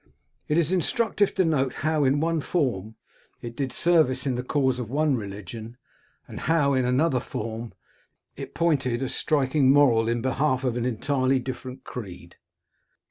It is instructive to note how in one form, it did service in the cause of one religion, and how, in another form, it pointed a striking moral in behalf of an entirely different creed.